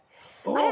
あれ？